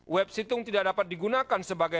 web situng tidak dapat digunakan sebagai